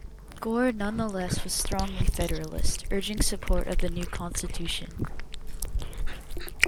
Gore nonetheless was strongly Federalist, urging support of the new Constitution.